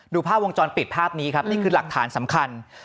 ภาพวงจรปิดภาพนี้ครับนี่คือหลักฐานสำคัญ